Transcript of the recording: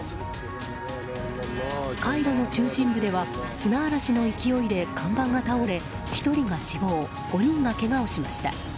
カイロの中心部では砂嵐の勢いで看板が倒れ１人が死亡５人がけがをしました。